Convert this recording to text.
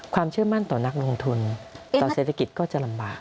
ความเชื่อมั่นต่อนักลงทุนต่อเศรษฐกิจก็จะลำบาก